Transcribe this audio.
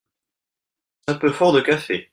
C’est un peu fort de café.